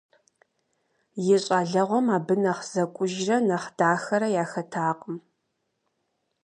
И щӀалэгъуэм абы нэхъ зэкӀужрэ нэхъ дахэрэ яхэтакъым.